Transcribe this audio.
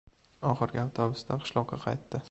Oxirgi avtobusda qishloqqa qaytdi.